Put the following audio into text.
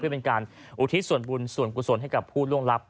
เพื่อเป็นการอุทิศส่วนบุญส่วนกุศลให้กับผู้ล่วงลับ